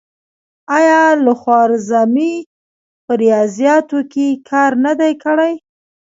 آیا الخوارزمي په ریاضیاتو کې کار نه دی کړی؟